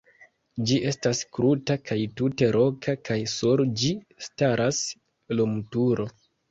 Ĝi estas kruta kaj tute roka kaj sur ĝi staras lumturo.